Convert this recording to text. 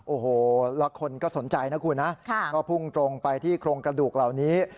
โอ้โหแล้วคนก็สนใจนะคุณนะก็พุ่งตรงไปที่โครงกระดูกเหล่านี้